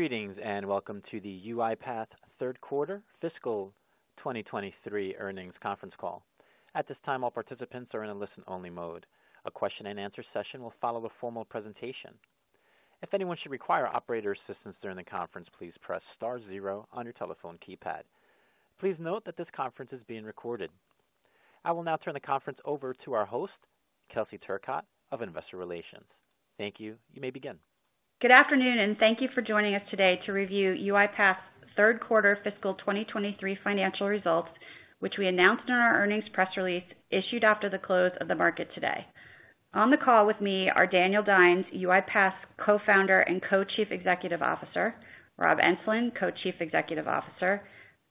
Greetings, welcome to the UiPath Third Quarter Fiscal 2023 Earnings Conference Call. At this time, all participants are in a listen-only mode. A question and answer session will follow the formal presentation. If anyone should require operator assistance during the conference, please press star zero on your telephone keypad. Please note that this conference is being recorded. I will now turn the conference over to our host, Kelsey Turcotte of Investor Relations. Thank you. You may begin. Good afternoon. Thank you for joining us today to review UiPath's Third Quarter Fiscal 2023 Financial Results, which we announced in our earnings press release issued after the close of the market today. On the call with me are Daniel Dines, UiPath's Co-Founder and Co-Chief Executive Officer, Rob Enslin, Co-Chief Executive Officer,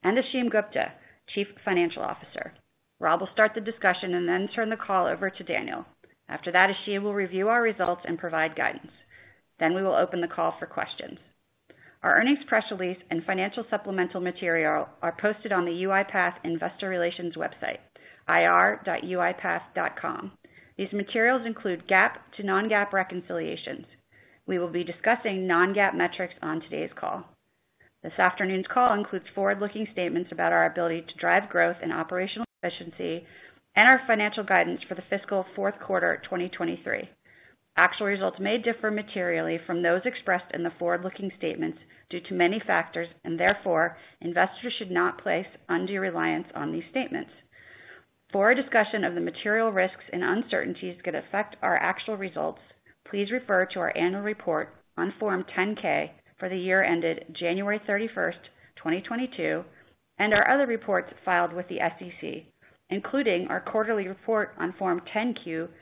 and Ashim Gupta, Chief Financial Officer. Rob will start the discussion. Then turn the call over to Daniel. After that, Ashim will review our results and provide guidance. Then we will open the call for questions. Our earnings press release and financial supplemental material are posted on the UiPath Investor Relations website, ir.uipath.com. These materials include GAAP to non-GAAP reconciliations. We will be discussing non-GAAP metrics on today's call. This afternoon's call includes forward-looking statements about our ability to drive growth and operational efficiency and our financial guidance for the fiscal fourth quarter 2023. Actual results may differ materially from those expressed in the forward-looking statements due to many factors, and therefore, investors should not place undue reliance on these statements. For a discussion of the material risks and uncertainties could affect our actual results, please refer to our annual report on Form 10-K for the year ended January 31, 2022, and our other reports filed with the SEC, including our quarterly report on Form 10-Q for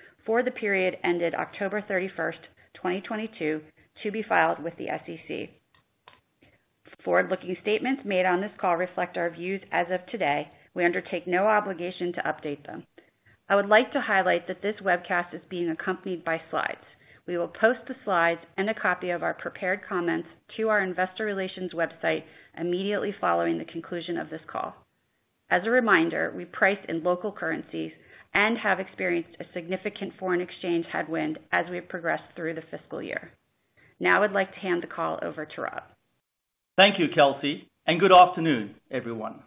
the period ended October 31, 2022, to be filed with the SEC. Forward-looking statements made on this call reflect our views as of today. We undertake no obligation to update them. I would like to highlight that this webcast is being accompanied by slides. We will post the slides and a copy of our prepared comments to our investor relations website immediately following the conclusion of this call. As a reminder, we price in local currencies and have experienced a significant foreign exchange headwind as we have progressed through the fiscal year. Now I'd like to hand the call over to Rob. Thank you, Kelsey, and good afternoon, everyone.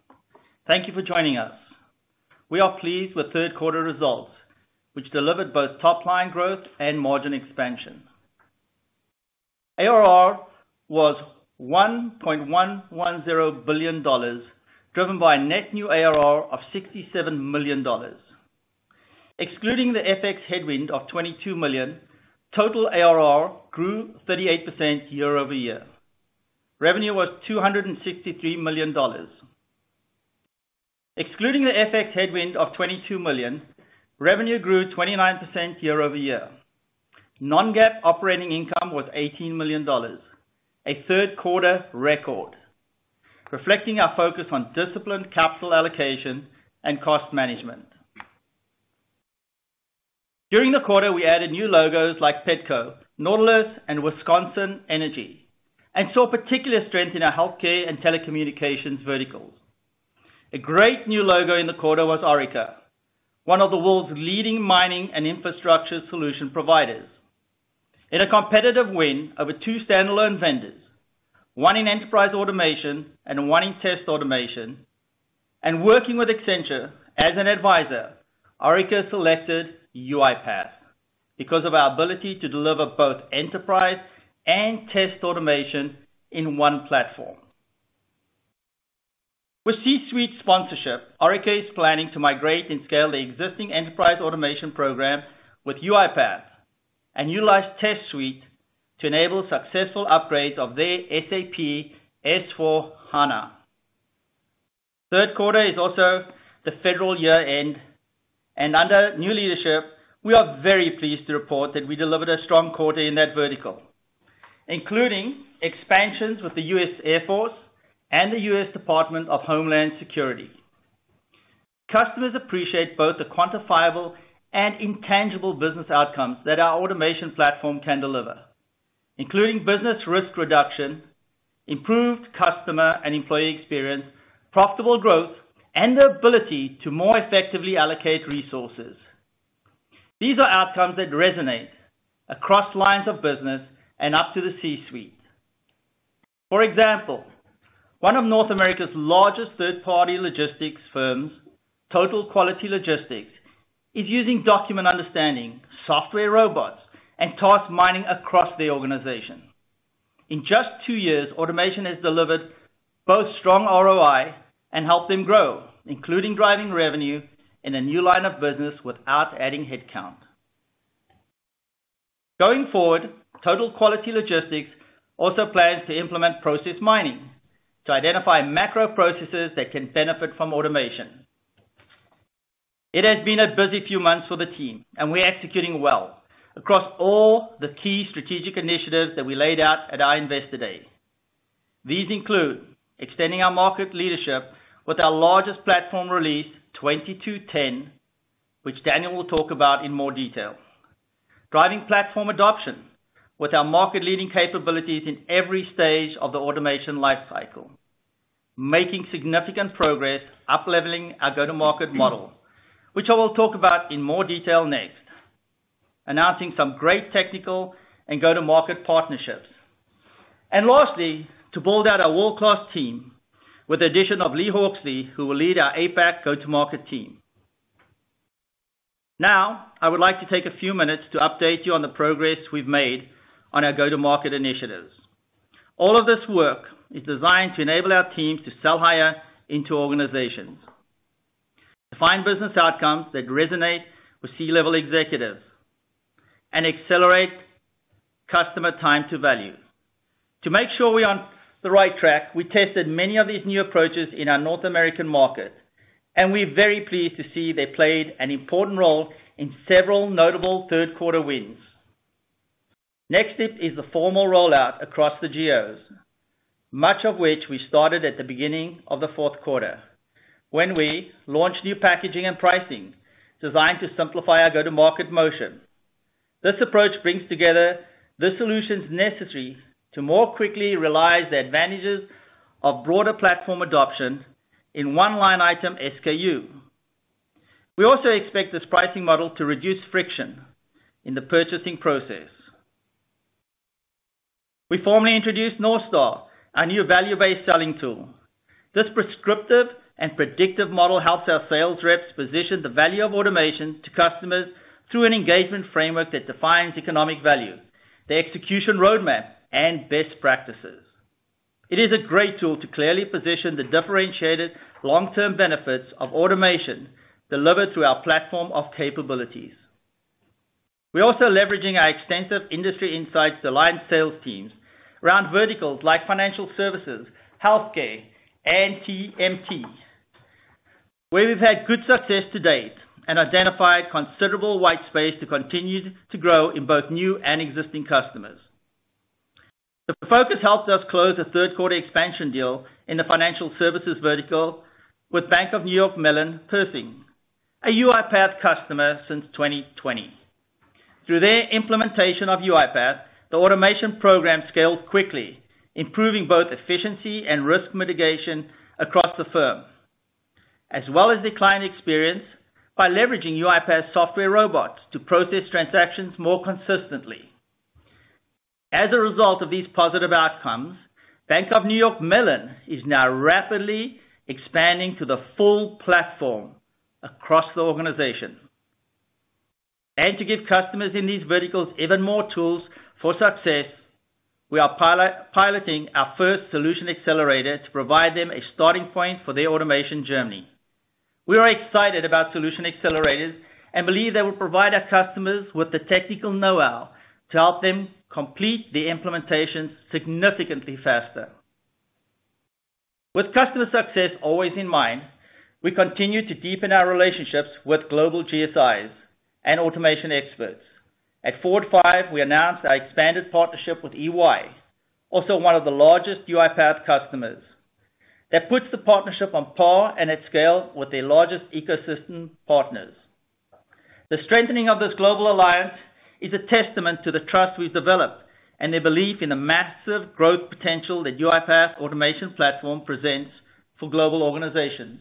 Thank you for joining us. We are pleased with third quarter results, which delivered both top-line growth and margin expansion. ARR was $1.110 billion, driven by net new ARR of $67 million. Excluding the FX headwind of $22 million, total ARR grew 38% year-over-year. Revenue was $263 million. Excluding the FX headwind of $22 million, revenue grew 29% year-over-year. non-GAAP operating income was $18 million, a third quarter record, reflecting our focus on disciplined capital allocation and cost management. During the quarter, we added new logos like Petco, Nautilus, and Wisconsin Energy, and saw particular strength in our healthcare and telecommunications verticals. A great new logo in the quarter was Orica, one of the world's leading mining and infrastructure solution providers. In a competitive win over 2 standalone vendors, one in enterprise automation and one in test automation, and working with Accenture as an advisor, Orica selected UiPath because of our ability to deliver both enterprise and test automation in one platform. With C-suite sponsorship, Orica is planning to migrate and scale the existing enterprise automation program with UiPath and utilize Test Suite to enable successful upgrades of their SAP S/4HANA. Third quarter is also the federal year-end, and under new leadership, we are very pleased to report that we delivered a strong quarter in that vertical, including expansions with the U.S. Air Force and the U.S. Department of Homeland Security. Customers appreciate both the quantifiable and intangible business outcomes that our automation platform can deliver, including business risk reduction, improved customer and employee experience, profitable growth, and the ability to more effectively allocate resources. These are outcomes that resonate across lines of business and up to the C-suite. For example, one of North America's largest third-party logistics firms, Total Quality Logistics, is using Document Understanding, software robots, and Task Mining across the organization. In just two years, automation has delivered both strong ROI and helped them grow, including driving revenue in a new line of business without adding headcount. Going forward, Total Quality Logistics also plans to implement Process Mining to identify macro processes that can benefit from automation. It has been a busy few months for the team, and we're executing well across all the key strategic initiatives that we laid out at our Investor Day. These include extending our market leadership with our largest platform release, 2022.10, which Daniel will talk about in more detail. Driving platform adoption with our market-leading capabilities in every stage of the automation lifecycle. Making significant progress up-leveling our go-to-market model, which I will talk about in more detail next. Announcing some great technical and go-to-market partnerships. Lastly, to build out our world-class team with the addition of Lee Hawksley, who will lead our APAC go-to-market team. Now, I would like to take a few minutes to update you on the progress we've made on our go-to-market initiatives. All of this work is designed to enable our teams to sell higher into organizations, define business outcomes that resonate with C-level executives, and accelerate customer time to value. To make sure we're on the right track, we tested many of these new approaches in our North American market, and we're very pleased to see they played an important role in several notable third quarter wins. Next step is the formal rollout across the geos, much of which we started at the beginning of the fourth quarter when we launched new packaging and pricing designed to simplify our go-to-market motion. This approach brings together the solutions necessary to more quickly realize the advantages of broader platform adoption in one line item SKU. We also expect this pricing model to reduce friction in the purchasing process. We formally introduced Northstar, our new value-based selling tool. This prescriptive and predictive model helps our sales reps position the value of automation to customers through an engagement framework that defines economic value, the execution roadmap, and best practices. It is a great tool to clearly position the differentiated long-term benefits of automation delivered through our platform of capabilities. We're also leveraging our extensive industry insights aligned sales teams around verticals like Financial Services, Healthcare, and TMT, where we've had good success to date and identified considerable white space to continue to grow in both new and existing customers. The focus helped us close a 3rd quarter expansion deal in the Financial Services vertical with Bank of New York Mellon, Pershing, a UiPath customer since 2020. Through their implementation of UiPath, the automation program scaled quickly, improving both efficiency and risk mitigation across the firm, as well as the client experience by leveraging UiPath's software robots to process transactions more consistently. As a result of these positive outcomes, Bank of New York Mellon is now rapidly expanding to the full platform across the organization. To give customers in these verticals even more tools for success, we are piloting our first solution accelerator to provide them a starting point for their automation journey. We are excited about solution accelerators and believe they will provide our customers with the technical know-how to help them complete the implementation significantly faster. With customer success always in mind, we continue to deepen our relationships with global GSIs and automation experts. At Forward IV, we announced our expanded partnership with EY, also one of the largest UiPath customers, that puts the partnership on par and at scale with their largest ecosystem partners. The strengthening of this global alliance is a testament to the trust we've developed and a belief in the massive growth potential that UiPath Automation Platform presents for global organizations.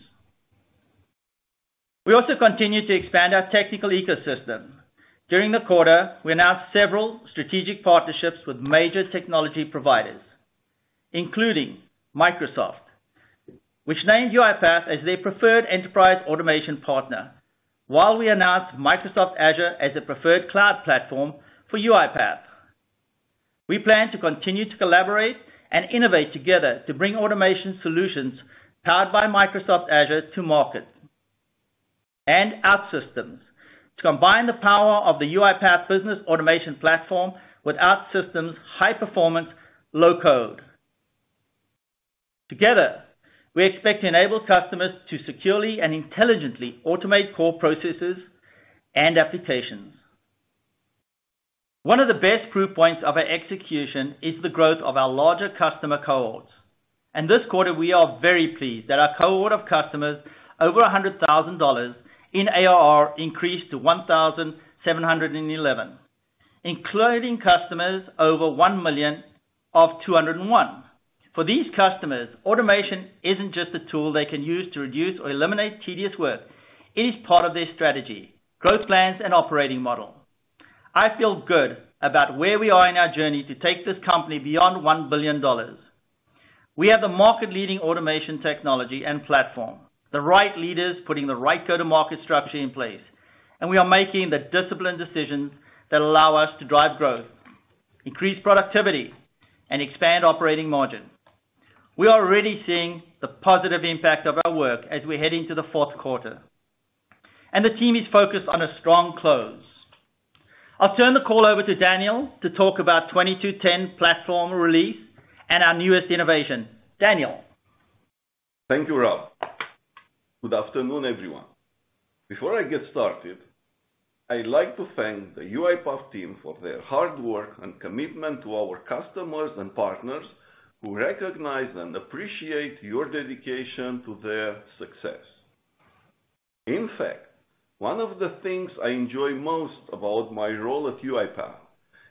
We also continue to expand our technical ecosystem. During the quarter, we announced several strategic partnerships with major technology providers, including Microsoft, which named UiPath as their preferred enterprise automation partner. While we announced Microsoft Azure as a preferred cloud platform for UiPath. We plan to continue to collaborate and innovate together to bring automation solutions powered by Microsoft Azure to market. OutSystems to combine the power of the UiPath Business Automation Platform with OutSystems high-performance low code. Together, we expect to enable customers to securely and intelligently automate core processes and applications. One of the best proof points of our execution is the growth of our larger customer cohorts. This quarter, we are very pleased that our cohort of customers over $100,000 in ARR increased to 1,711, including customers over $1 million of 201. For these customers, automation isn't just a tool they can use to reduce or eliminate tedious work. It is part of their strategy, growth plans and operating model. I feel good about where we are in our journey to take this company beyond $1 billion. We have the market leading automation technology and platform, the right leaders putting the right go-to market structure in place, and we are making the disciplined decisions that allow us to drive growth, increase productivity, and expand operating margin. We are already seeing the positive impact of our work as we head into the fourth quarter, and the team is focused on a strong close. I'll turn the call over to Daniel to talk about 2022.10 platform release and our newest innovation. Daniel? Thank you, Rob. Good afternoon, everyone. Before I get started, I'd like to thank the UiPath team for their hard work and commitment to our customers and partners who recognize and appreciate your dedication to their success. In fact, one of the things I enjoy most about my role at UiPath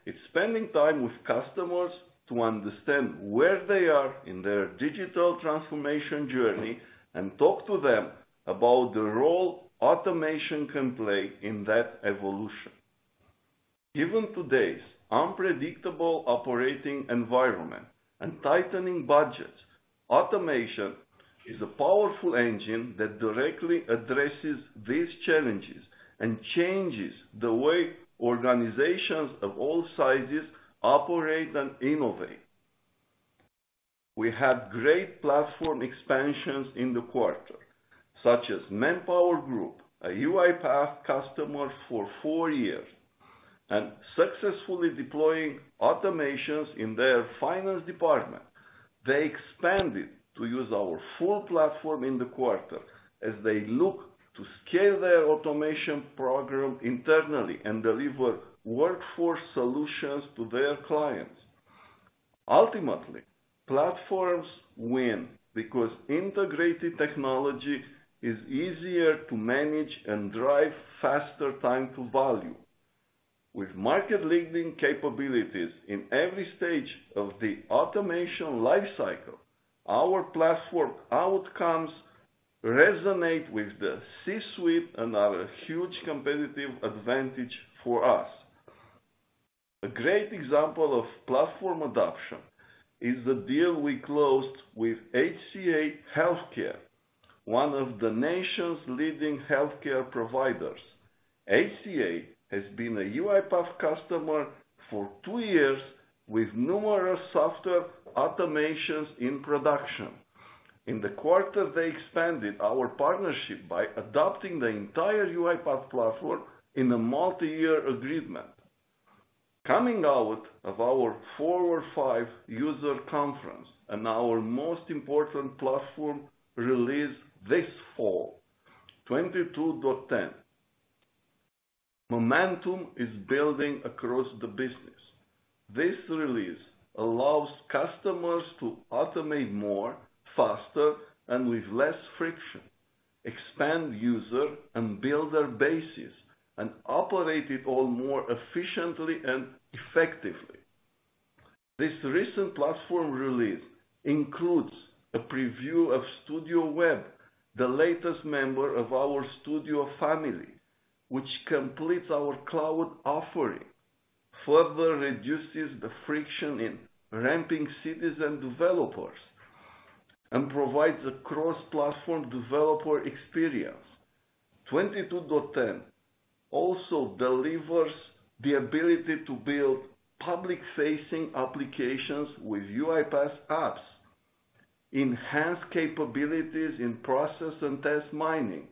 is spending time with customers to understand where they are in their digital transformation journey and talk to them about the role automation can play in that evolution. Given today's unpredictable operating environment and tightening budgets, automation is a powerful engine that directly addresses these challenges and changes the way organizations of all sizes operate and innovate. We had great platform expansions in the quarter, such as ManpowerGroup, a UiPath customer for four years, and successfully deploying automations in their finance department. They expanded to use our full platform in the quarter as they look to scale their automation program internally and deliver workforce solutions to their clients. Ultimately, platforms win because integrated technology is easier to manage and drive faster time to value. With market-leading capabilities in every stage of the automation life cycle, our platform outcomes resonate with the C-suite, another huge competitive advantage for us. A great example of platform adoption is the deal we closed with HCA Healthcare, one of the nation's leading healthcare providers. HCA has been a UiPath customer for two years with numerous software automations in production. In the quarter, they expanded our partnership by adopting the entire UiPath platform in a multi-year agreement. Coming out of our Forward IV user conference and our most important platform release this fall, 2022.10. Momentum is building across the business. This release allows customers to automate more, faster, and with less friction, expand user, and build their bases, and operate it all more efficiently and effectively. This recent platform release includes a preview of Studio Web, the latest member of our Studio family, which completes our cloud offering, further reduces the friction in ramping citizen developers, and provides a cross-platform developer experience. 2022.10 also delivers the ability to build public-facing applications with UiPath's apps, enhance capabilities in Process Mining and Task Mining,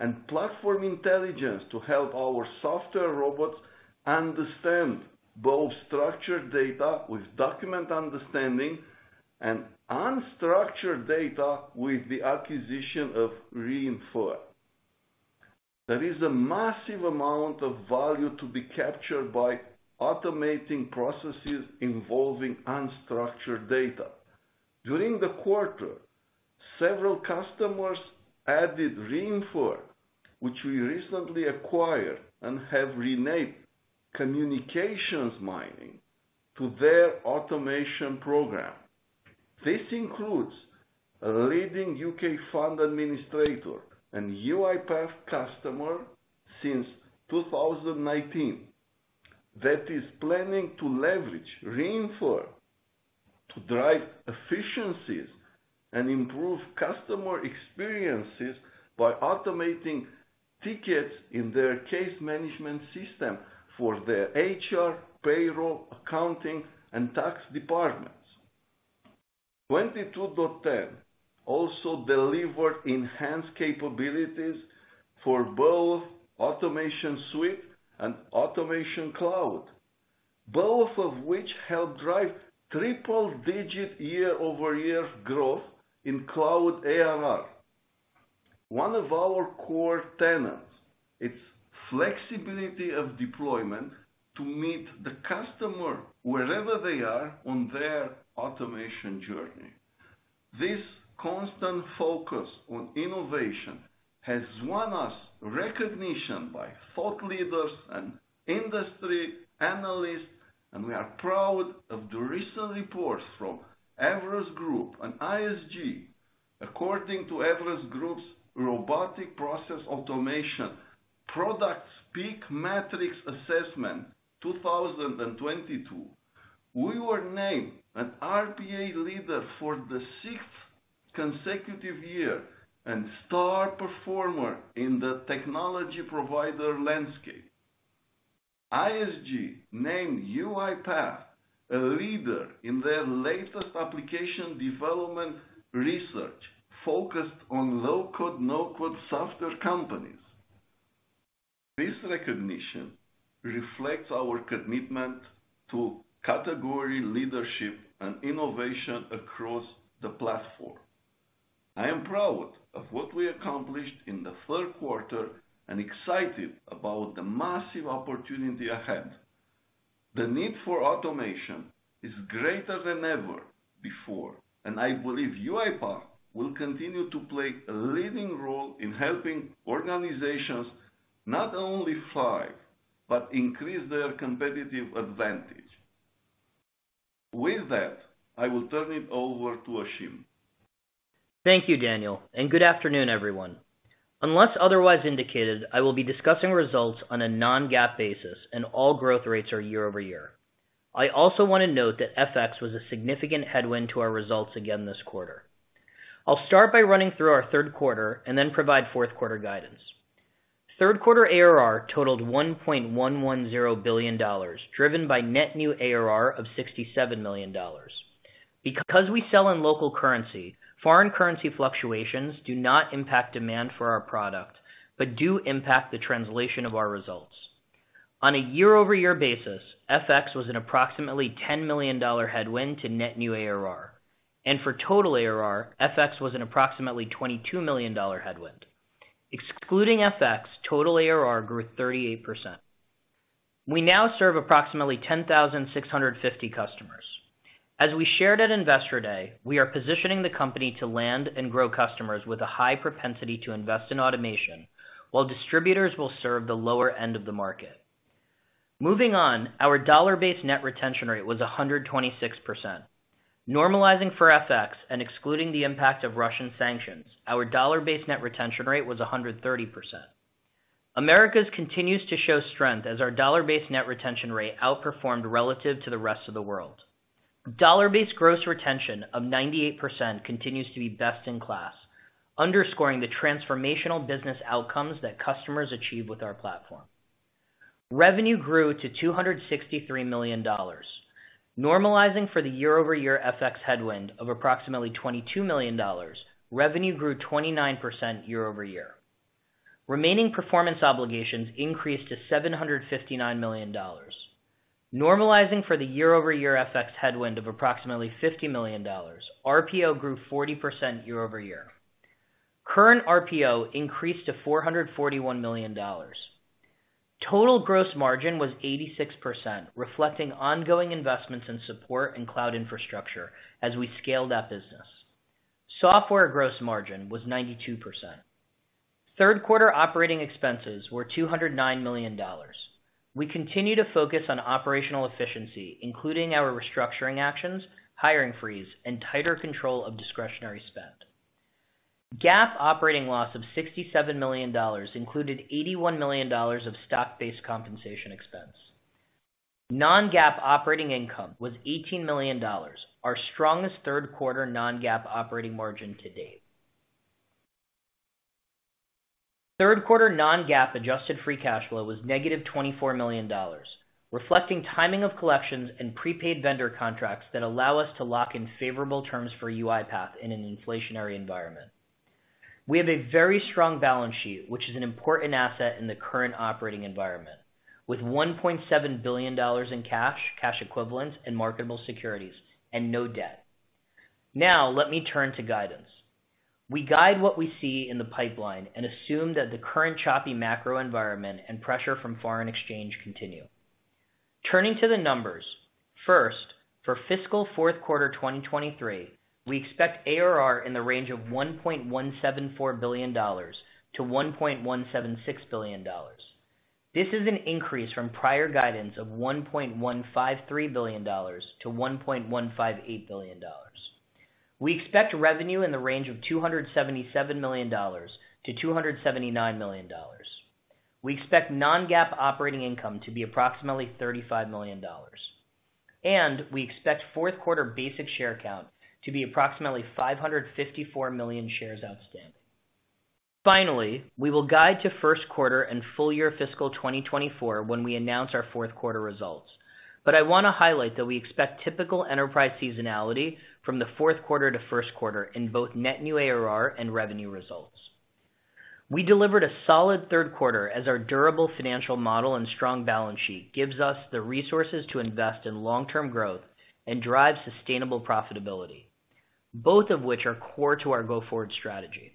and platform intelligence to help our software robots understand both structured data with Document Understanding and unstructured data with the acquisition of Re:infer. There is a massive amount of value to be captured by automating processes involving unstructured data. During the quarter, several customers added Re:infer, which we recently acquired and have renamed Communications Mining to their automation program. This includes a leading U.K. fund administrator, an UiPath customer since 2019 that is planning to leverage Re:infer to drive efficiencies and improve customer experiences by automating tickets in their case management system for their HR, payroll, accounting, and tax departments. 2022.10 also delivered enhanced capabilities for both Automation Suite and Automation Cloud, both of which help drive triple-digit year-over-year growth in cloud ARR. One of our core tenets, its flexibility of deployment to meet the customer wherever they are on their automation journey. This constant focus on innovation has won us recognition by thought leaders and industry analysts. We are proud of the recent reports from Everest Group and ISG. According to Everest Group's Robotic Process Automation Products PEAK Matrix Assessment 2022, we were named an RPA leader for the sixth consecutive year and star performer in the technology provider landscape. ISG named UiPath a leader in their latest application development research focused on low-code, no-code software companies. This recognition reflects our commitment to category leadership and innovation across the platform. I am proud of what we accomplished in the third quarter and excited about the massive opportunity ahead. The need for automation is greater than ever before. I believe UiPath will continue to play a leading role in helping organizations not only thrive, but increase their competitive advantage. With that, I will turn it over to Ashim. Thank you, Daniel. Good afternoon, everyone. Unless otherwise indicated, I will be discussing results on a non-GAAP basis, and all growth rates are year-over-year. I also wanna note that FX was a significant headwind to our results again this quarter. I'll start by running through our third quarter and then provide fourth quarter guidance. Third quarter ARR totaled $1.110 billion, driven by net new ARR of $67 million. Because we sell in local currency, foreign currency fluctuations do not impact demand for our product but do impact the translation of our results. On a year-over-year basis, FX was an approximately $10 million headwind to net new ARR. For total ARR, FX was an approximately $22 million headwind. Excluding FX, total ARR grew 38%. We now serve approximately 10,650 customers. As we shared at Investor Day, we are positioning the company to land and grow customers with a high propensity to invest in automation, while distributors will serve the lower end of the market. Moving on. Our dollar-based net retention rate was 126%. Normalizing for FX and excluding the impact of Russian sanctions, our dollar-based net retention rate was 130%. Americas continues to show strength as our dollar-based net retention rate outperformed relative to the rest of the world. Dollar-based gross retention of 98% continues to be best in class, underscoring the transformational business outcomes that customers achieve with our platform. Revenue grew to $263 million. Normalizing for the year-over-year FX headwind of approximately $22 million, revenue grew 29% year-over-year. Remaining performance obligations increased to $759 million. Normalizing for the year-over-year FX headwind of approximately $50 million, RPO grew 40% year-over-year. Current RPO increased to $441 million. Total gross margin was 86%, reflecting ongoing investments in support and cloud infrastructure as we scale that business. Software gross margin was 92%. Third quarter operating expenses were $209 million. We continue to focus on operational efficiency, including our restructuring actions, hiring freeze, and tighter control of discretionary spend. GAAP operating loss of $67 million included $81 million of stock-based compensation expense. Non-GAAP operating income was $18 million, our strongest third quarter non-GAAP operating margin to date. Third quarter non-GAAP adjusted free cash flow was negative $24 million, reflecting timing of collections and prepaid vendor contracts that allow us to lock in favorable terms for UiPath in an inflationary environment. We have a very strong balance sheet, which is an important asset in the current operating environment, with $1.7 billion in cash equivalents, and marketable securities, and no debt. Let me turn to guidance. We guide what we see in the pipeline and assume that the current choppy macro environment and pressure from foreign exchange continue. Turning to the numbers. First, for fiscal fourth quarter 2023, we expect ARR in the range of $1.174 billion-$1.176 billion. This is an increase from prior guidance of $1.153 billion-$1.158 billion. We expect revenue in the range of $277 million-$279 million. We expect non-GAAP operating income to be approximately $35 million. We expect fourth quarter basic share count to be approximately 554 million shares outstanding. Finally, we will guide to first quarter and full year fiscal 2024 when we announce our fourth quarter results. I wanna highlight that we expect typical enterprise seasonality from the fourth quarter to first quarter in both net new ARR and revenue results. We delivered a solid third quarter as our durable financial model and strong balance sheet gives us the resources to invest in long-term growth and drive sustainable profitability, both of which are core to our go-forward strategy.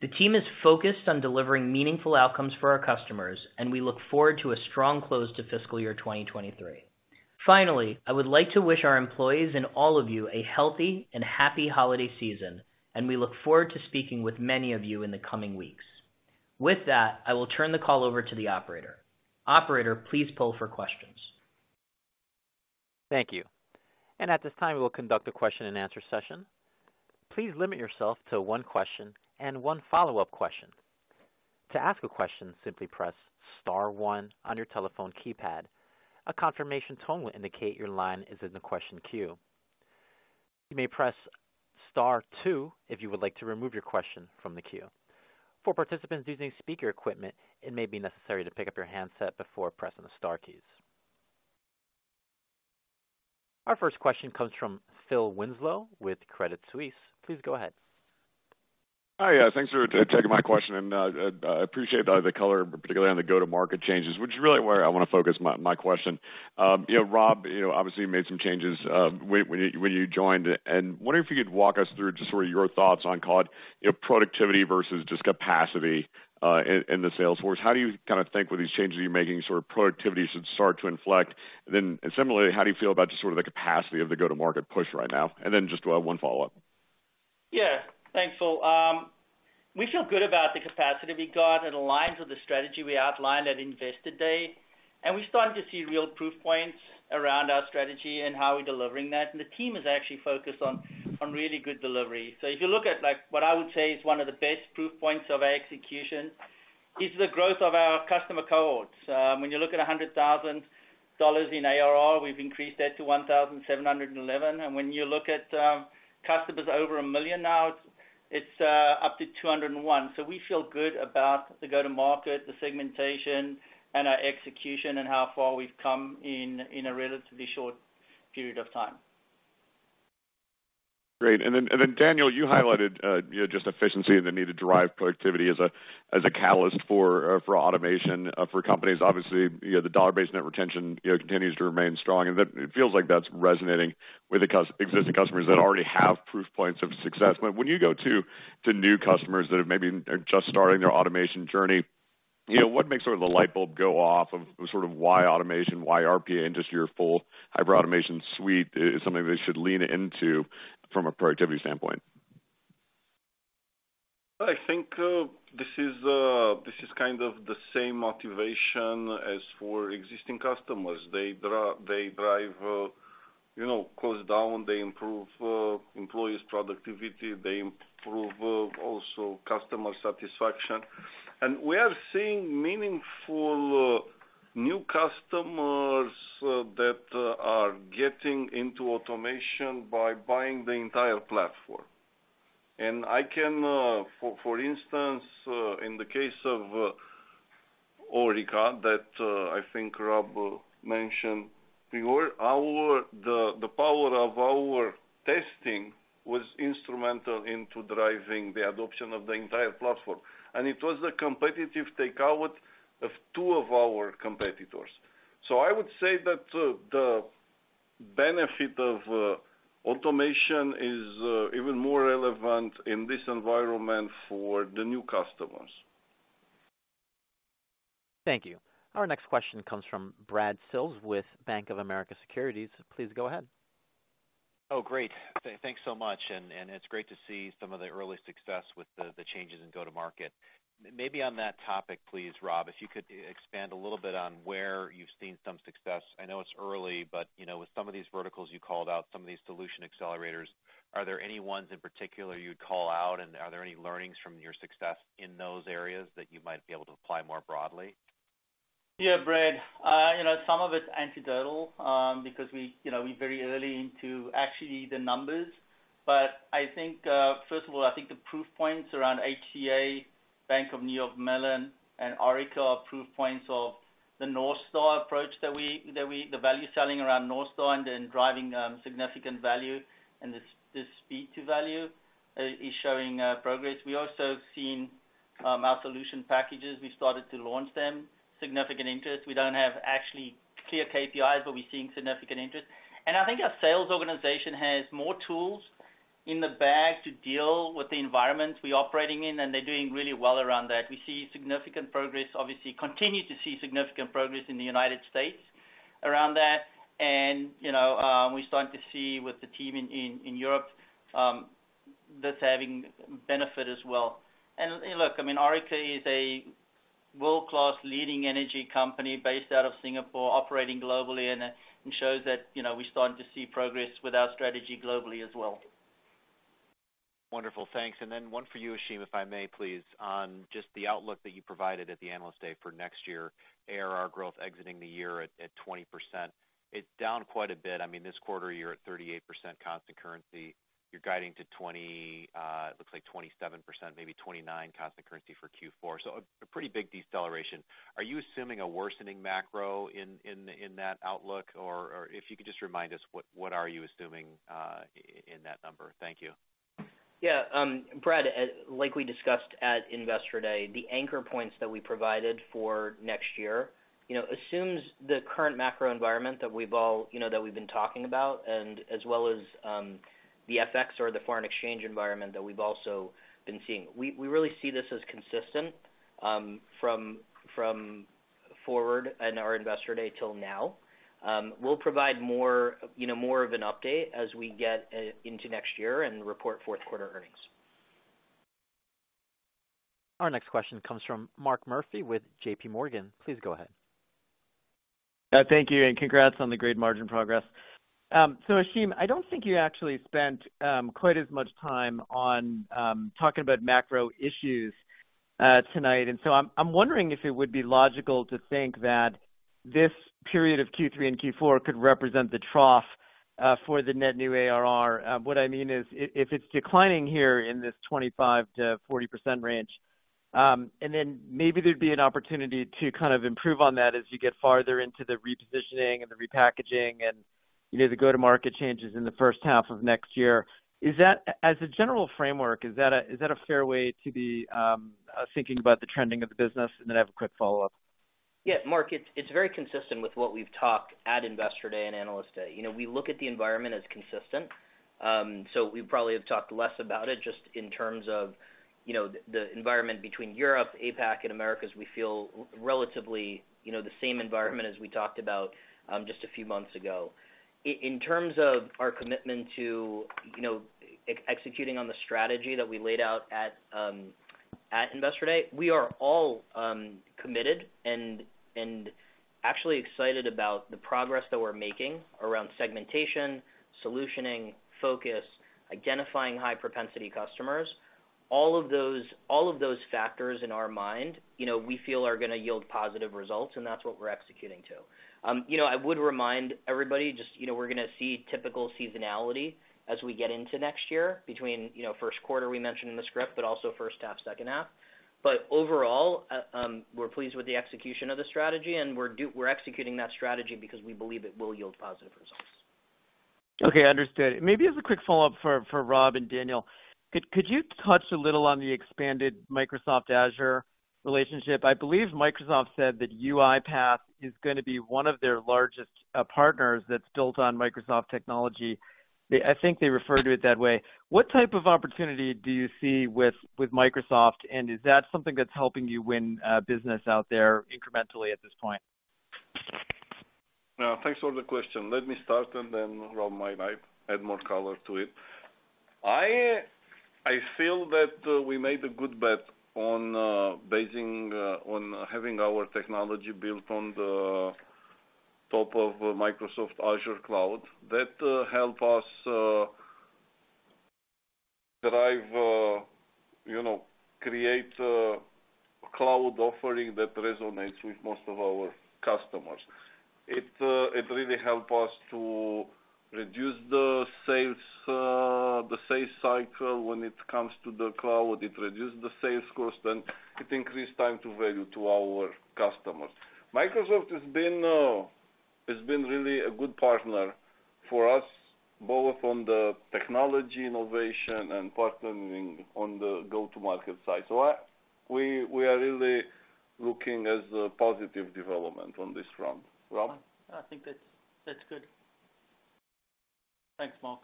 The team is focused on delivering meaningful outcomes for our customers, and we look forward to a strong close to fiscal year 2023. Finally, I would like to wish our employees and all of you a healthy and happy holiday season, and we look forward to speaking with many of you in the coming weeks. With that, I will turn the call over to the operator. Operator, please poll for questions. Thank you. At this time, we will conduct a question and answer session. Please limit yourself to one question and one follow-up question. To ask a question, simply press star one on your telephone keypad. A confirmation tone will indicate your line is in the question queue. You may press star two if you would like to remove your question from the queue. For participants using speaker equipment, it may be necessary to pick up your handset before pressing the star keys. Our first question comes from Phil Winslow with Credit Suisse. Please go ahead. Hi. Thanks for taking my question, and I appreciate the color, particularly on the go-to-market changes, which is really where I wanna focus my question. You know, Rob, you know, obviously you made some changes when you joined, and wondering if you could walk us through just sort of your thoughts on, call it, you know, productivity versus just capacity in the sales force. How do you kinda think with these changes you're making sort of productivity should start to inflect? Similarly, how do you feel about just sort of the capacity of the go-to-market push right now? Just one follow-up. Thanks, Phil. We feel good about the capacity we got. It aligns with the strategy we outlined at Investor Day, and we're starting to see real proof points around our strategy and how we're delivering that. The team is actually focused on really good delivery. If you look at, like, what I would say is one of the best proof points of our execution is the growth of our customer cohorts. When you look at $100,000 in ARR, we've increased that to 1,711. When you look at customers over 1 million now, it's up to 201. We feel good about the go-to-market, the segmentation, and our execution and how far we've come in a relatively short period of time. Great. Daniel, you highlighted, you know, just efficiency and the need to drive productivity as a catalyst for automation for companies. Obviously, you know, the dollar-based net retention, you know, continues to remain strong, and it feels like that's resonating with existing customers that already have proof points of success. When you go to new customers that are maybe are just starting their automation journey, you know, what makes sort of the light bulb go off of sort of why automation, why RPA into your full hyper-automation suite is something they should lean into from a productivity standpoint? I think, this is, this is kind of the same motivation as for existing customers. They drive, you know, costs down, they improve, employees' productivity, they improve, also customer satisfaction. We are seeing meaningful new customers, that, are getting into automation by buying the entire platform. I can, for instance, in the case of, Orica that, I think Rob mentioned, the power of our testing was instrumental into driving the adoption of the entire platform. It was the competitive takeout of two of our competitors. I would say that the benefit of, automation is, even more relevant in this environment for the new customers. Thank you. Our next question comes from Brad Sills with Bank of America Securities. Please go ahead. Oh, great. Thanks so much. It's great to see some of the early success with the changes in go-to-market. Maybe on that topic, please, Rob, if you could expand a little bit on where you've seen some success. I know it's early, but, you know, with some of these verticals you called out, some of these solution accelerators, are there any ones in particular you'd call out? Are there any learnings from your success in those areas that you might be able to apply more broadly? Yeah, Brad. you know, some of it's anecdotal, because we, you know, we're very early into actually the numbers. I think, first of all, I think the proof points around HCA, Bank of New York Mellon and Orica are proof points of the Northstar approach that we the value selling around Northstar and then driving significant value, and the speed to value, is showing progress. We also have seen our solution packages. We started to launch them. Significant interest. We don't have actually clear KPIs, but we're seeing significant interest. I think our sales organization has more tools in the bag to deal with the environment we're operating in, and they're doing really well around that. We see significant progress, obviously continue to see significant progress in the United States around that. You know, we're starting to see with the team in Europe, that's having benefit as well. Look, I mean, Orica is a world-class leading energy company based out of Singapore, operating globally, and it shows that, you know, we're starting to see progress with our strategy globally as well. Wonderful. Thanks. Then one for you, Ashim, if I may, please, on just the outlook that you provided at the Analyst Day for next year, ARR growth exiting the year at 20%. It's down quite a bit. I mean, this quarter you're at 38% constant currency. You're guiding to 27%, maybe 29% constant currency for Q4. A pretty big deceleration. Are you assuming a worsening macro in that outlook? Or if you could just remind us what are you assuming in that number? Thank you. Yeah. Brad, like we discussed at Investor Day, the anchor points that we provided for next year, you know, assumes the current macro environment that we've all, you know, that we've been talking about and as well as the FX or the foreign exchange environment that we've also been seeing. We really see this as consistent from forward in our Investor Day till now. We'll provide more, you know, more of an update as we get into next year and report fourth quarter earnings. Our next question comes from Mark Murphy with JPMorgan. Please go ahead. Thank you, and congrats on the great margin progress. Ashim, I don't think you actually spent quite as much time on talking about macro issues tonight. I'm wondering if it would be logical to think that this period of Q3 and Q4 could represent the trough for the net new ARR. What I mean is if it's declining here in this 25%-40% range, and then maybe there'd be an opportunity to kind of improve on that as you get farther into the repositioning and the repackaging and, you know, the go-to-market changes in the first half of next year. As a general framework, is that a fair way to be thinking about the trending of the business? I have a quick follow-up. Yeah, Mark, it's very consistent with what we've talked at Investor Day and Analyst Day. You know, we look at the environment as consistent. We probably have talked less about it just in terms of, you know, the environment between Europe, APAC and Americas, we feel relatively, you know, the same environment as we talked about just a few months ago. In terms of our commitment to, you know, executing on the strategy that we laid out at Investor Day, we are all committed and actually excited about the progress that we're making around segmentation, solutioning, focus, identifying high propensity customers. All of those factors in our mind, you know, we feel are gonna yield positive results, and that's what we're executing to. You know, I would remind everybody just, you know, we're gonna see typical seasonality as we get into next year between, you know, first quarter we mentioned in the script, but also first half, second half. Overall, we're pleased with the execution of the strategy, and we're executing that strategy because we believe it will yield positive results. Okay, understood. Maybe as a quick follow-up for Rob and Daniel. Could you touch a little on the expanded Microsoft Azure relationship? I believe Microsoft said that UiPath is gonna be one of their largest partners that's built on Microsoft technology. I think they refer to it that way. What type of opportunity do you see with Microsoft, and is that something that's helping you win business out there incrementally at this point? Thanks for the question. Let me start and then Rob might add more color to it. I feel that we made a good bet on basing on having our technology built on the top of Microsoft Azure cloud. That help us derive, you know, create a cloud offering that resonates with most of our customers. It really help us to reduce the sales, the sales cycle when it comes to the cloud. It reduce the sales cost, and it increase time to value to our customers. Microsoft has been really a good partner for us, both on the technology innovation and partnering on the go-to-market side. We are really looking as a positive development on this front. Rob? I think that's good. Thanks, Mark.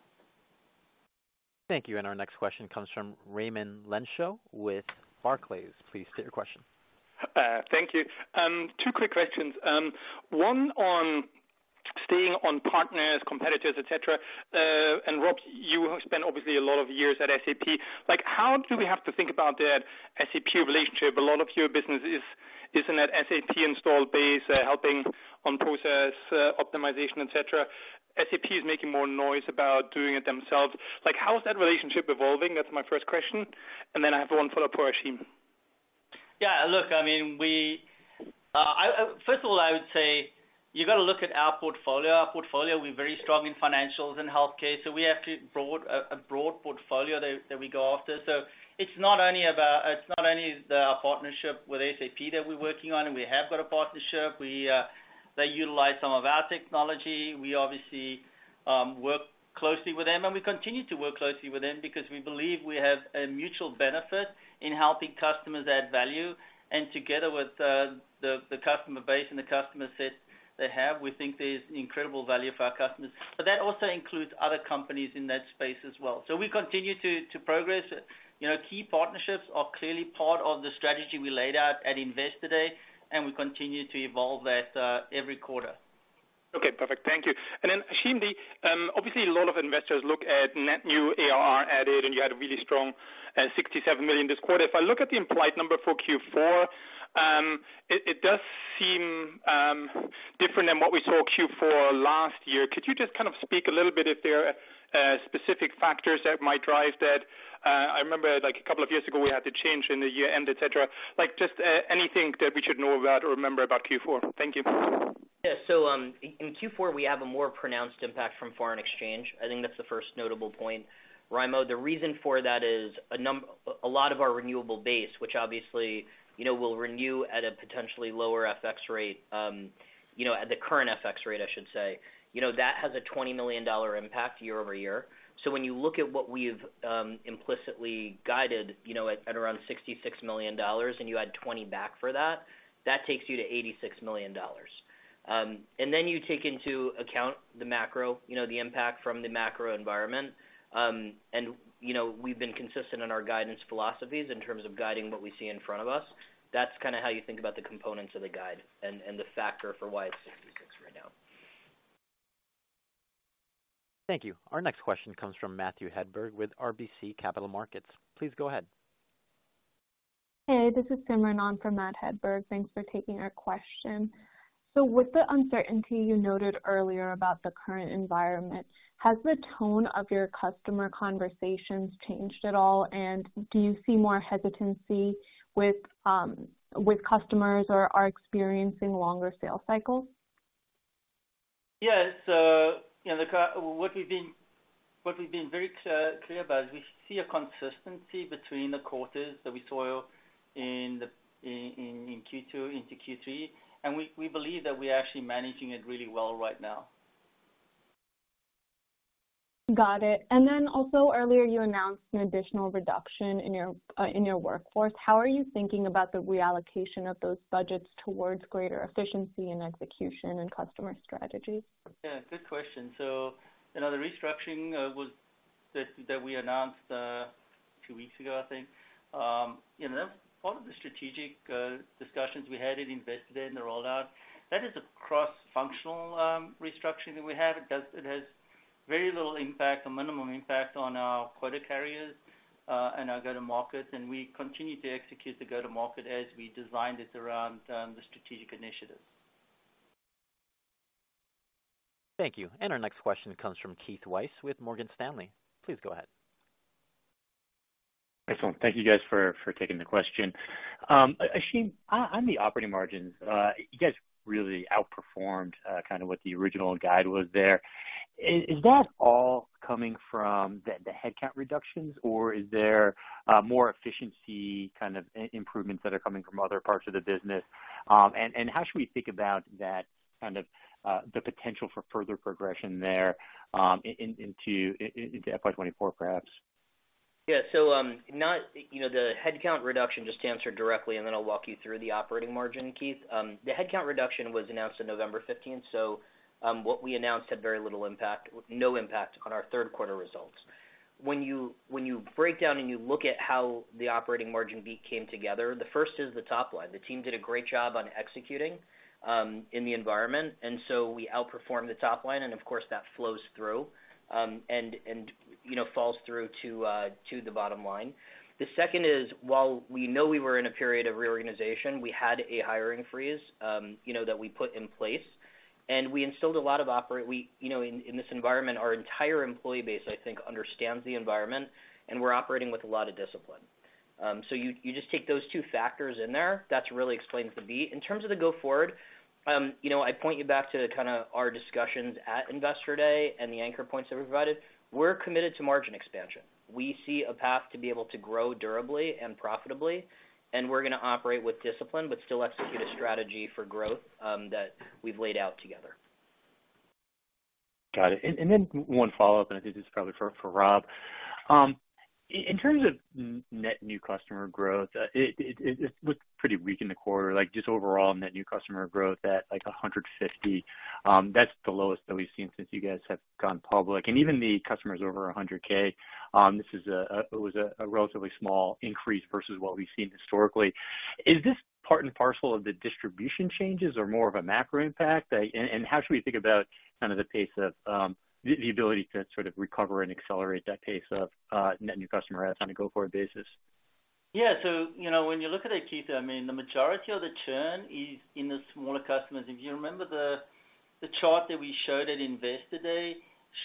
Thank you. Our next question comes from Raimo Lenschow with Barclays. Please state your question. Thank you. Two quick questions. One on staying on partners, competitors, et cetera. Rob, you have spent obviously a lot of years at SAP. Like, how do we have to think about that SAP relationship? A lot of your business is in that SAP install base, helping on process, optimization, et cetera. SAP is making more noise about doing it themselves. Like, how is that relationship evolving? That's my first question. I have one follow-up for Ashim. Yeah. Look, I mean, I, first of all, I would say you've got to look at our portfolio. Our portfolio, we're very strong in financials and healthcare, so we have a broad portfolio that we go after. It's not only the partnership with SAP that we're working on, and we have got a partnership. We, they utilize some of our technology. We obviously work closely with them, and we continue to work closely with them because we believe we have a mutual benefit in helping customers add value. Together with the customer base and the customer set they have, we think there's incredible value for our customers. That also includes other companies in that space as well. We continue to progress. You know, key partnerships are clearly part of the strategy we laid out at Investor Day. We continue to evolve that every quarter. Okay, perfect. Thank you. Ashim, obviously a lot of investors look at net new ARR added, and you had a really strong, $67 million this quarter. If I look at the implied number for Q4, it does seem different than what we saw Q4 last year. Could you just kind of speak a little bit if there are specific factors that might drive that? I remember, like, a couple of years ago, we had to change in the year-end, et cetera. Just anything that we should know about or remember about Q4. Thank you. Yeah. In Q4, we have a more pronounced impact from foreign exchange. I think that's the first notable point. Raimo, the reason for that is a lot of our renewable base, which obviously, you know, will renew at a potentially lower FX rate, you know, at the current FX rate, I should say. You know, that has a $20 million impact year-over-year. When you look at what we've implicitly guided, you know, at around $66 million and you add 20 back for that takes you to $86 million. Then you take into account the macro, you know, the impact from the macro environment. You know, we've been consistent in our guidance philosophies in terms of guiding what we see in front of us. That's kinda how you think about the components of the guide and the factor for why it's 66 right now. Thank you. Our next question comes from Matthew Hedberg with RBC Capital Markets. Please go ahead. Hey, this is Simran on for Matthew Hedberg. Thanks for taking our question. With the uncertainty you noted earlier about the current environment, has the tone of your customer conversations changed at all? Do you see more hesitancy with customers or are experiencing longer sales cycles? Yes. you know, what we've been very clear about is we see a consistency between the quarters that we saw in Q2 into Q3. We believe that we are actually managing it really well right now. Got it. Also earlier, you announced an additional reduction in your workforce. How are you thinking about the reallocation of those budgets towards greater efficiency and execution and customer strategy? Yeah, good question. You know, the restructuring, that we announced. Two weeks ago, I think, you know, part of the strategic discussions we had at Investor Day and the rollout, that is a cross-functional restructuring that we have. It has very little impact or minimum impact on our quota carriers and our go-to-market. We continue to execute the go-to-market as we designed it around the strategic initiative. Thank you. Our next question comes from Keith Weiss with Morgan Stanley. Please go ahead. Excellent. Thank you guys for taking the question. Ashim, on the operating margins, you guys really outperformed kinda what the original guide was there. Is that all coming from the headcount reductions, or is there more efficiency kind of improvements that are coming from other parts of the business? How should we think about that kind of the potential for further progression there, into FY 2024, perhaps? Yeah. not, you know, the headcount reduction, just to answer directly, and then I'll walk you through the operating margin, Keith. The headcount reduction was announced on November 15th, so what we announced had very little no impact on our third quarter results. When you break down and you look at how the operating margin beat came together, the first is the top line. The team did a great job on executing in the environment, and so we outperformed the top line and of course that flows through, and, you know, falls through to the bottom line. The second is, while we know we were in a period of reorganization, we had a hiring freeze, you know, that we put in place. We instilled a lot of operate- We- You know, in this environment, our entire employee base, I think, understands the environment, and we're operating with a lot of discipline. You, you just take those two factors in there, that's really explains the beat. In terms of the go forward, you know, I'd point you back to kinda our discussions at Investor Day and the anchor points that we provided. We're committed to margin expansion. We see a path to be able to grow durably and profitably, and we're gonna operate with discipline, but still execute a strategy for growth, that we've laid out together. Got it. Then one follow-up, and I think this is probably for Rob. In terms of net new customer growth, it looked pretty weak in the quarter, like just overall net new customer growth at like 150. That's the lowest that we've seen since you guys have gone public. Even the customers over 100K, this was a relatively small increase versus what we've seen historically. Is this part and parcel of the distribution changes or more of a macro impact? How should we think about kind of the pace of the ability to sort of recover and accelerate that pace of net new customer adds on a go-forward basis? You know, when you look at it, Keith, I mean, the majority of the churn is in the smaller customers. If you remember the chart that we showed at Investor Day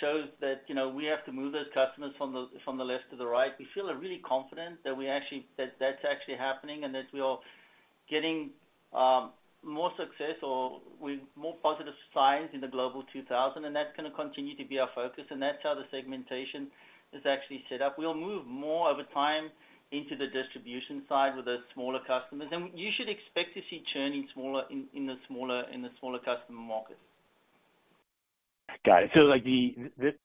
shows that, you know, we have to move those customers from the, from the left to the right. We feel really confident that we actually that's actually happening and that we are getting more success or with more positive signs in the Forbes Global 2000, and that's gonna continue to be our focus, and that's how the segmentation is actually set up. We'll move more over time into the distribution side with the smaller customers. You should expect to see churning in the smaller customer markets. Got it. Like this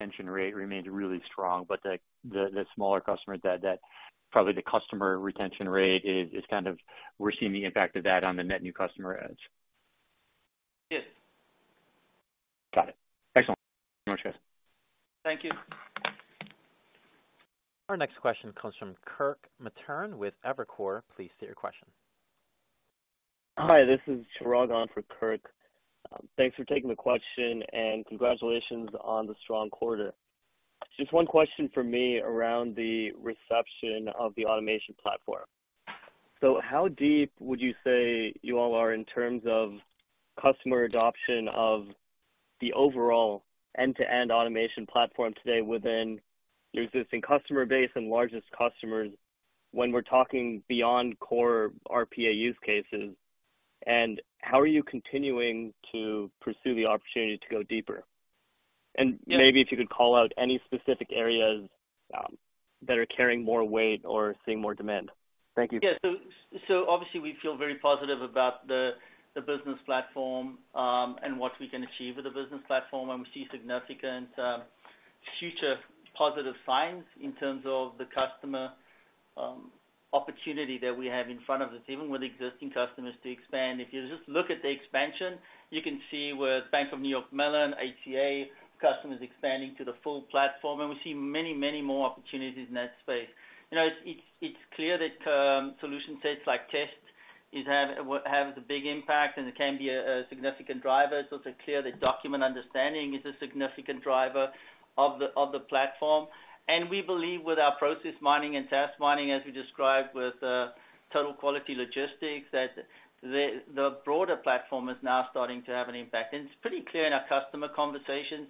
retention rate remains really strong, but the smaller customer that probably the customer retention rate is kind of we're seeing the impact of that on the net new customer adds. Yes. Got it. Excellent. Thanks so much, guys. Thank you. Our next question comes from Kirk Materne with Evercore. Please state your question. Hi, this is Chirag on for Kirk. Thanks for taking the question, and congratulations on the strong quarter. Just one question from me around the reception of the automation platform. How deep would you say you all are in terms of customer adoption of the overall end-to-end automation platform today within your existing customer base and largest customers when we're talking beyond core RPA use cases? How are you continuing to pursue the opportunity to go deeper? Yeah. Maybe if you could call out any specific areas, that are carrying more weight or seeing more demand. Thank you. Obviously we feel very positive about the business platform, and what we can achieve with the business platform, and we see significant future positive signs in terms of the customer opportunity that we have in front of us, even with existing customers to expand. If you just look at the expansion, you can see with Bank of New York Mellon, AT&T, customers expanding to the full platform, and we see many, many more opportunities in that space. You know, it's clear that solution sets like Test will have the big impact, and it can be a significant driver. It's also clear that Document Understanding is a significant driver of the platform. We believe with our Process Mining and Task Mining, as we described with Total Quality Logistics, that the broader platform is now starting to have an impact. It's pretty clear in our customer conversations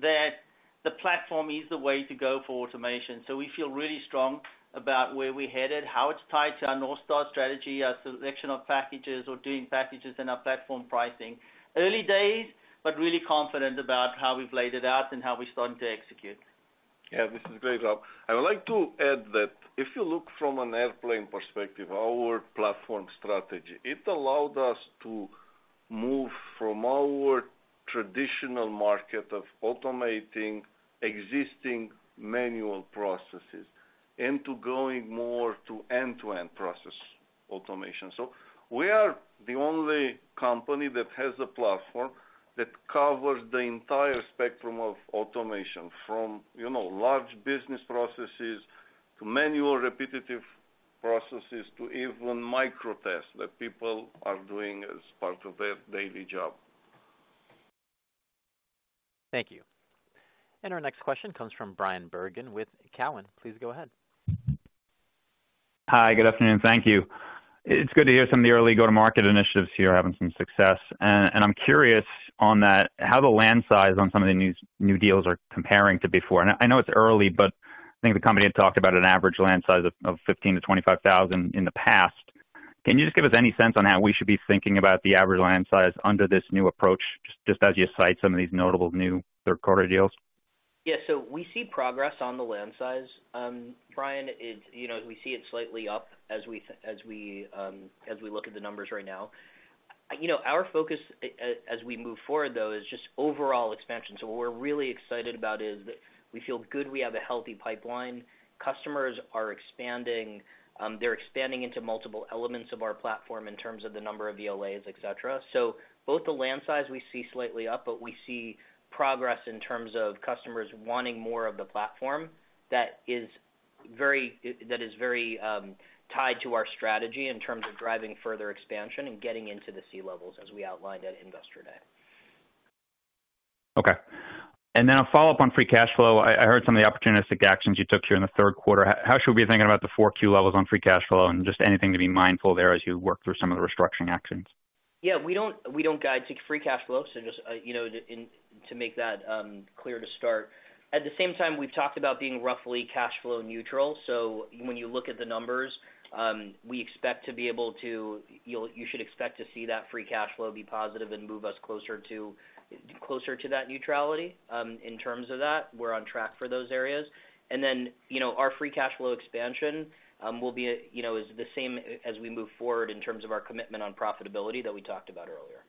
that the platform is the way to go for automation. We feel really strong about where we're headed, how it's tied to our Northstar strategy, our selection of packages or doing packages and our platform pricing. Early days, but really confident about how we've laid it out and how we're starting to execute. Yeah, this is great, Rob. I would like to add that if you look from an airplane perspective, our platform strategy, it allowed us to move from our traditional market of automating existing manual processes into going more to end-to-end processes. Automation. We are the only company that has a platform that covers the entire spectrum of automation from, you know, large business processes to manual repetitive processes, to even micro tests that people are doing as part of their daily job. Thank you. Our next question comes from Bryan Bergin with Cowen. Please go ahead. Hi, good afternoon. Thank you. It's good to hear some of the early go-to-market initiatives here are having some success. I'm curious on that, how the land size on some of the new deals are comparing to before. I know it's early, but I think the company had talked about an average land size of 15,000-25,000 in the past. Can you just give us any sense on how we should be thinking about the average land size under this new approach, just as you cite some of these notable new third quarter deals? We see progress on the land size. Bryan, it's, you know, as we see it slightly up as we, as we look at the numbers right now. You know, our focus as we move forward though, is just overall expansion. What we're really excited about is that we feel good we have a healthy pipeline. Customers are expanding. They're expanding into multiple elements of our platform in terms of the number of the LA's, et cetera. Both the land size we see slightly up, but we see progress in terms of customers wanting more of the platform that is very tied to our strategy in terms of driving further expansion and getting into the C-levels as we outlined at Investor Day. A follow-up on free cash flow. I heard some of the opportunistic actions you took here in the third quarter. How should we be thinking about the 4 Q levels on free cash flow and just anything to be mindful there as you work through some of the restructuring actions? We don't, we don't guide to free cash flow. Just, you know, to make that clear to start. At the same time, we've talked about being roughly cash flow neutral. When you look at the numbers, we expect to be able to you should expect to see that free cash flow be positive and move us closer to that neutrality. In terms of that, we're on track for those areas. You know, our free cash flow expansion, will be, you know, is the same as we move forward in terms of our commitment on profitability that we talked about earlier.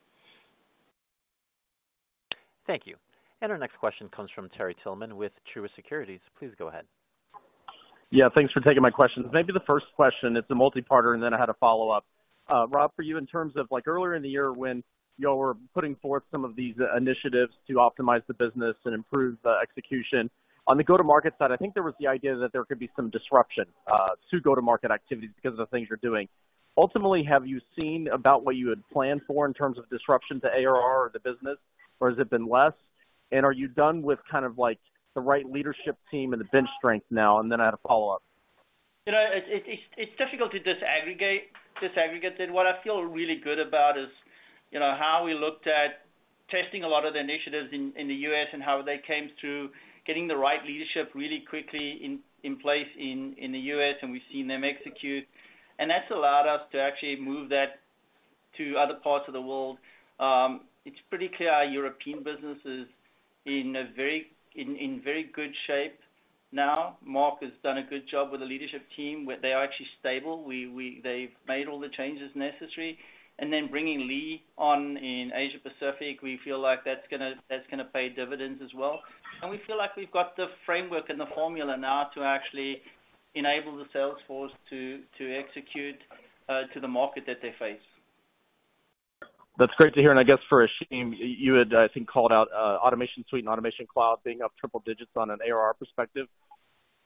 Thank you. Our next question comes from Terry Tillman with Truist Securities. Please go ahead. Yeah, thanks for taking my questions. Maybe the first question, it's a multi-parter, then I had a follow-up. Rob, for you, in terms of like earlier in the year when y'all were putting forth some of these initiatives to optimize the business and improve the execution. On the go-to-market side, I think there was the idea that there could be some disruption to go-to-market activities because of the things you're doing. Ultimately, have you seen about what you had planned for in terms of disruption to ARR or the business, or has it been less? Are you done with kind of like the right leadership team and the bench strength now? Then I had a follow-up. You know, it's difficult to disaggregate that. What I feel really good about is, you know, how we looked at testing a lot of the initiatives in the U.S. and how they came through getting the right leadership really quickly in place in the U.S., and we've seen them execute. That's allowed us to actually move that to other parts of the world. It's pretty clear our European business is in very good shape now. Mark has done a good job with the leadership team, where they are actually stable. They've made all the changes necessary. Then bringing Lee on in Asia Pacific, we feel like that's gonna pay dividends as well. We feel like we've got the framework and the formula now to actually enable the sales force to execute to the market that they face. That's great to hear. I guess for Ashim, you had, I think, called out Automation Suite and Automation Cloud being up triple digits on an ARR perspective.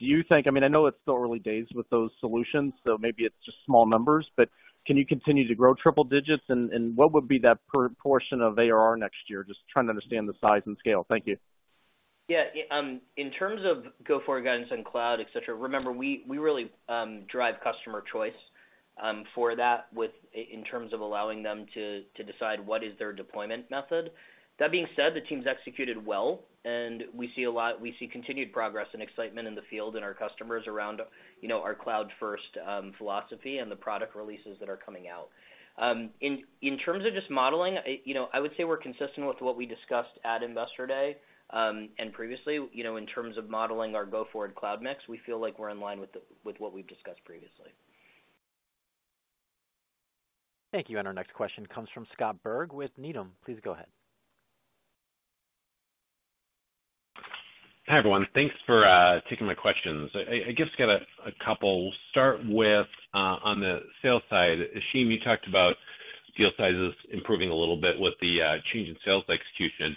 Do you think I mean, I know it's still early days with those solutions, so maybe it's just small numbers, but can you continue to grow triple digits? What would be that per portion of ARR next year? Just trying to understand the size and scale. Thank you. In terms of go-forward guidance on cloud, et cetera, remember, we really drive customer choice, for that in terms of allowing them to decide what is their deployment method. That being said, the team's executed well, and we see continued progress and excitement in the field and our customers around, you know, our cloud-first philosophy and the product releases that are coming out. In terms of just modeling, you know, I would say we're consistent with what we discussed at Investor Day, and previously. You know, in terms of modeling our go-forward cloud mix, we feel like we're in line with what we've discussed previously. Thank you. Our next question comes from Scott Berg with Needham Please go ahead. Hi, everyone. Thanks for taking my questions. I guess I got a couple. We'll start with on the sales side. Ashim, you talked about deal sizes improving a little bit with the change in sales execution.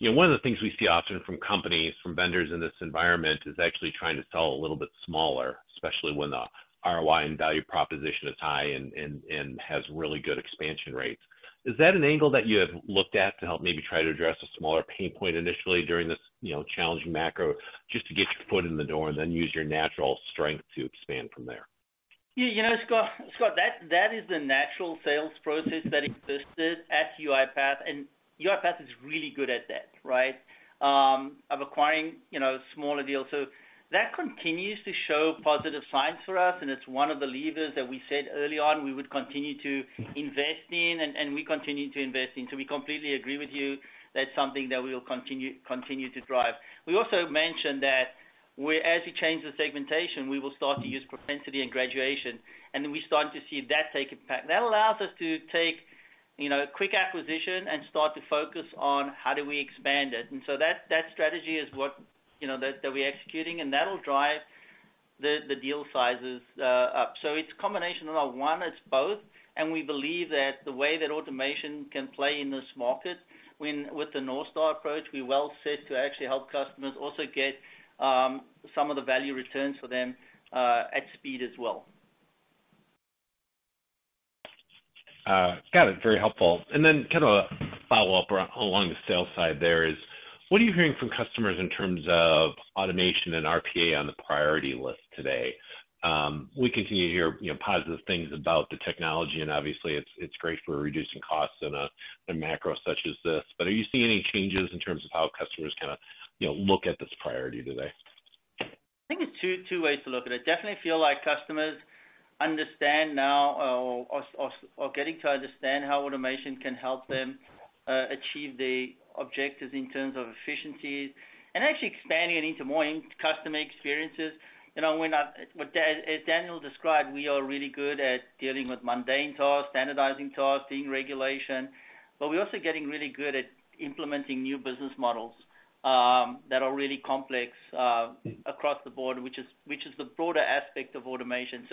You know, one of the things we see often from companies, from vendors in this environment is actually trying to sell a little bit smaller, especially when the ROI and value proposition is high and has really good expansion rates. Is that an angle that you have looked at to help maybe try to address a smaller pain point initially during this, you know, challenging macro, just to get your foot in the door and then use your natural strength to expand from there? Yeah. You know, Scott, that is the natural sales process that existed at UiPath, and UiPath is really good at that, right? of acquiring, you know, smaller deals. That continues to show positive signs for us, and it's one of the levers that we said early on we would continue to invest in and we continue to invest in. We completely agree with you. That's something that we will continue to drive. We also mentioned that as we change the segmentation, we will start to use propensity and graduation, and then we're starting to see that take effect. That allows us to take You know, quick acquisition and start to focus on how do we expand it. That strategy is what, you know, that we're executing, and that'll drive the deal sizes up. It's a combination of one, it's both. We believe that the way that automation can play in this market with the Northstar approach, we're well set to actually help customers also get some of the value returns for them at speed as well. Got it. Very helpful. Kind of a follow-up around along the sales side there is, what are you hearing from customers in terms of automation and RPA on the priority list today? We continue to hear, you know, positive things about the technology, and obviously it's great for reducing costs in a, in macro such as this. Are you seeing any changes in terms of how customers kinda, you know, look at this priority today? I think it's two ways to look at it. Definitely feel like customers understand now or getting to understand how automation can help them achieve the objectives in terms of efficiencies and actually expanding it into more in-customer experiences. You know, as Daniel described, we are really good at dealing with mundane tasks, standardizing tasks, seeing regulation, but we're also getting really good at implementing new business models that are really complex across the board, which is the broader aspect of automation.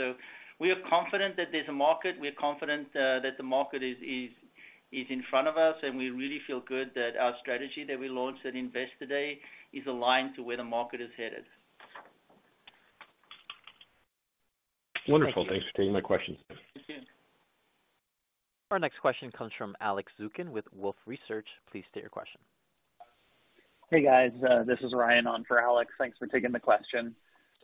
We are confident that there's a market, we're confident that the market is in front of us, and we really feel good that our strategy that we launched at Investor Day is aligned to where the market is headed. Wonderful. Thank you. Thanks for taking my question. Thank you. Our next question comes from Alex Zukin with Wolfe Research. Please state your question. Hey, guys. This is Ryan on for Alex. Thanks for taking the question.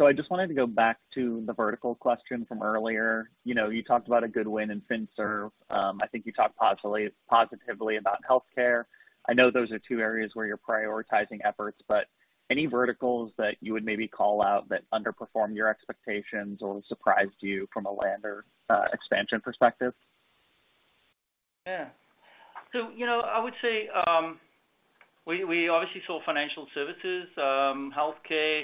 I just wanted to go back to the vertical question from earlier. You know, you talked about a good win in FinServ. I think you talked positively about healthcare. I know those are two areas where you're prioritizing efforts, but any verticals that you would maybe call out that underperformed your expectations or surprised you from a land or expansion perspective? Yeah. You know, I would say, we obviously saw financial services, healthcare,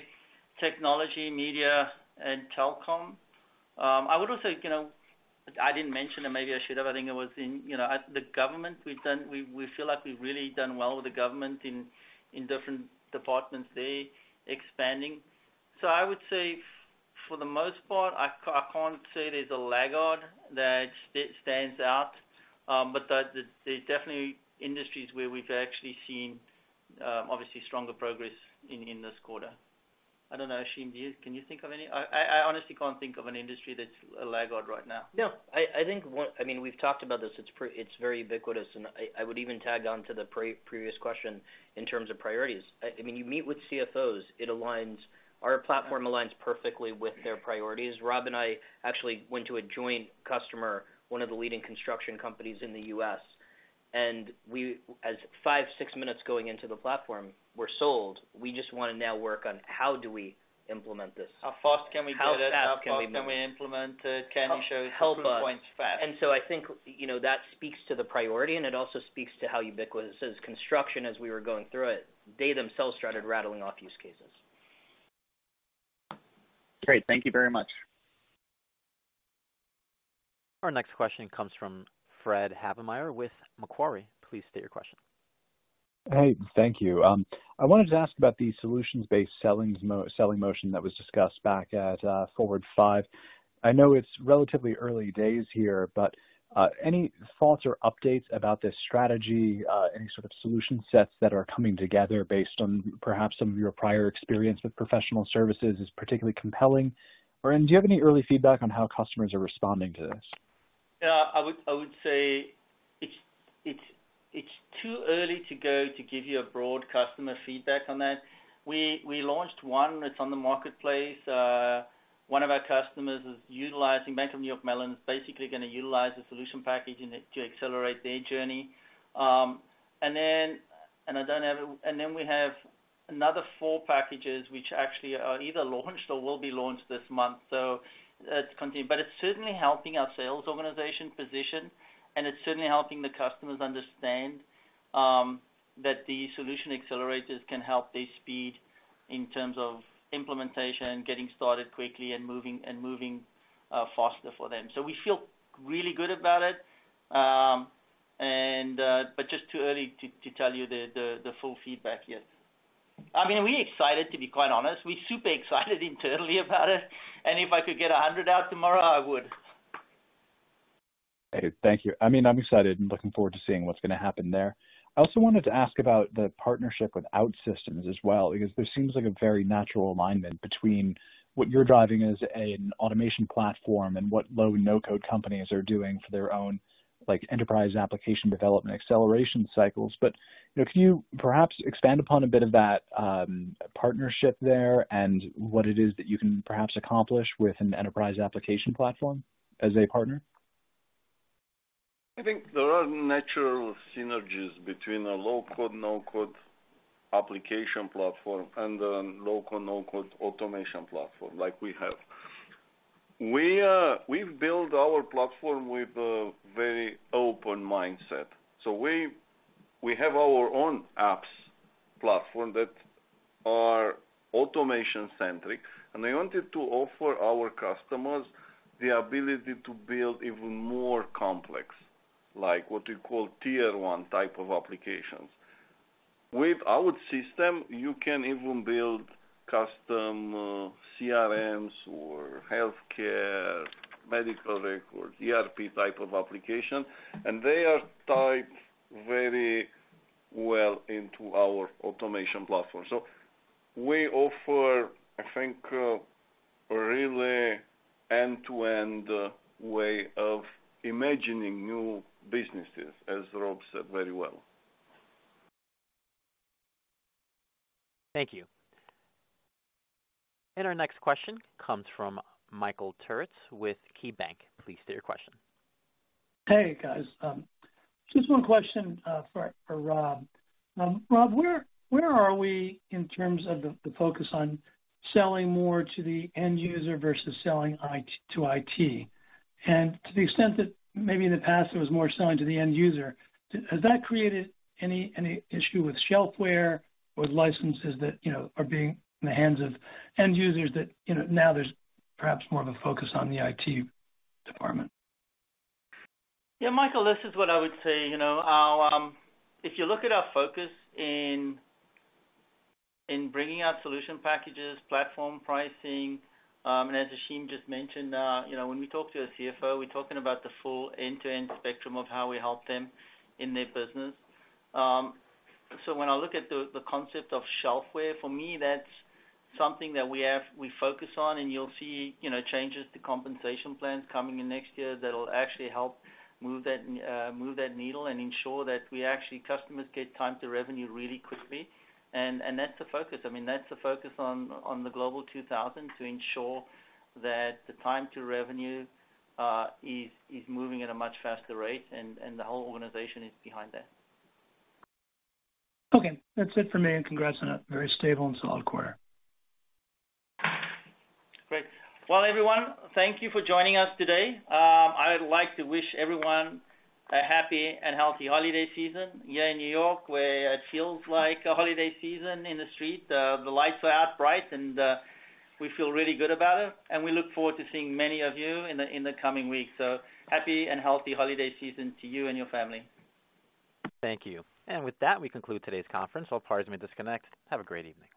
technology, media and telecom. I would also, you know, I didn't mention, and maybe I should have, I think it was in, you know, at the government, we feel like we've really done well with the government in different departments there, expanding. I would say for the most part, I can't say there's a laggard that stands out, but there's definitely industries where we've actually seen obviously stronger progress in this quarter. I don't know, Ashim, can you think of any? I honestly can't think of an industry that's a laggard right now. No, I mean, we've talked about this, it's very ubiquitous, and I would even tag on to the previous question in terms of priorities. I mean, you meet with CFOs, our platform aligns perfectly with their priorities. Rob and I actually went to a joint customer, one of the leading construction companies in the U.S., and as five, six minutes going into the platform, we're sold. We just wanna now work on how do we implement this? How fast can we do it? How fast can we move? How fast can we implement it? Can you show us the proof points fast? Help us. I think, you know, that speaks to the priority, and it also speaks to how ubiquitous it is. Construction, as we were going through it, they themselves started rattling off use cases. Great. Thank you very much. Our next question comes from Frederick Havemeyer with Macquarie. Please state your question. Hey, thank you. I wanted to ask about the solutions-based selling motion that was discussed back at Forward IV. I know it's relatively early days here, any thoughts or updates about this strategy, any sort of solution sets that are coming together based on perhaps some of your prior experience with professional services is particularly compelling? Do you have any early feedback on how customers are responding to this? Yeah. I would say it's too early to go to give you a broad customer feedback on that. We launched one that's on the marketplace. One of our customers Bank of New York Mellon is basically gonna utilize the solution package in it to accelerate their journey. Then we have another four packages which actually are either launched or will be launched this month. It's continuing. It's certainly helping our sales organization position, and it's certainly helping the customers understand that the solution accelerators can help their speed in terms of implementation, getting started quickly and moving faster for them. We feel really good about it. Just too early to tell you the full feedback yet. I mean, we're excited, to be quite honest. We're super excited internally about it, and if I could get 100 out tomorrow, I would. Hey, thank you. I mean, I'm excited and looking forward to seeing what's gonna happen there. I also wanted to ask about the partnership with OutSystems as well, because there seems like a very natural alignment between what you're driving as an automation platform and what low, no-code companies are doing for their own, like, enterprise application development acceleration cycles. You know, can you perhaps expand upon a bit of that partnership there and what it is that you can perhaps accomplish with an enterprise application platform as a partner? I think there are natural synergies between a low-code, no-code application platform and a low-code, no-code automation platform like we have. We've built our platform with a very open mindset. We have our own apps Platform that are automation centric, and they wanted to offer our customers the ability to build even more complex, like what you call Tier 1 type of applications. With our system, you can even build custom CRMs or healthcare medical records, ERP type of application, and they are tied very well into our automation platform. We offer, I think, a really end-to-end way of imagining new businesses, as Rob said very well. Thank you. Our next question comes from Michael Turits with KeyBanc. Please state your question. Hey, guys. Just one question for Rob. Rob, where are we in terms of the focus on selling more to the end user versus selling to IT? To the extent that maybe in the past there was more selling to the end user, has that created any issue with shelfware or licenses that, you know, are being in the hands of end users that, you know, now there's perhaps more of a focus on the IT department? Yeah, Michael, this is what I would say. You know, our, if you look at our focus in bringing out solution packages, platform pricing, and as Ashim just mentioned, you know, when we talk to a CFO, we're talking about the full end-to-end spectrum of how we help them in their business. So when I look at the concept of shelf-ware, for me, that's something that we focus on, and you'll see, you know, changes to compensation plans coming in next year that'll actually help move that, move that needle and ensure that we actually, customers get time to revenue really quickly. That's the focus. I mean, that's the focus on the Forbes Global 2000 to ensure that the time to revenue is moving at a much faster rate and the whole organization is behind that. Okay. That's it for me. Congrats on a very stable and solid quarter. Great. Well, everyone, thank you for joining us today. I would like to wish everyone a happy and healthy holiday season here in New York, where it feels like a holiday season in the streets. The lights are out bright and we feel really good about it, and we look forward to seeing many of you in the, in the coming weeks. Happy and healthy holiday season to you and your family. Thank you. With that, we conclude today's conference. All parties may disconnect. Have a great evening.